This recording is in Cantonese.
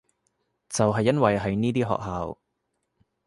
就係因為係呢啲學校